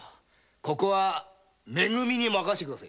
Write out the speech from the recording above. ここはめ組に任せて下さい。